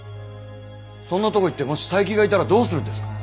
そんなとこ行ってもし佐伯がいたらどうするんですか？